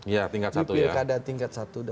ya tingkat satu ya